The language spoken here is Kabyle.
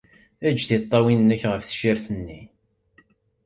Eǧǧ tiṭṭawin-nnek ɣef tcirt-nni.